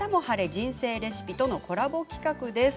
人生レシピ」とのコラボ企画です。